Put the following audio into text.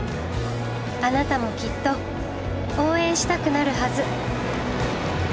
あなたもきっと応援したくなるはず！